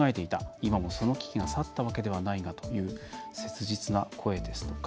今もその危機が去ったわけではないがという切実な声ですとか。